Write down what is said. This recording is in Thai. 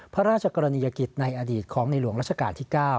พระราชกรณียกิจในอดีตของในหลวงรัชกาลที่๙